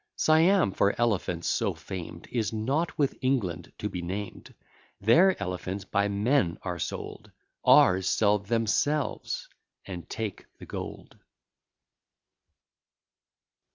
Siam, for elephants so famed, Is not with England to be named: Their elephants by men are sold; Ours sell themselves, and take the gold.